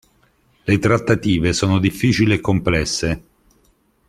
Le trattative sono difficili e complesse.